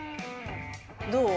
どう？